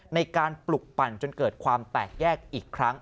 ในการปลุกปั่นจนเกิดความแตกแยกอีกครั้ง